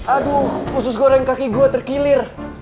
aduh usus goreng kaki gua terkilir